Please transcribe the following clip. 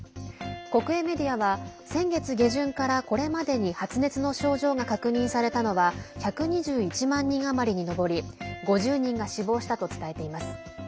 国営メディアは先月下旬からこれまでに発熱の症状が確認されたのは１２１万人余りに上り５０人が死亡したと伝えています。